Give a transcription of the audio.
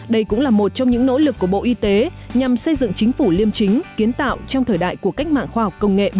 đây cũng là một trong những nỗ lực của bộ y tế nhằm xây dựng chính phủ liêm chính kiến tạo trong thời đại của cách mạng khoa học công nghệ bốn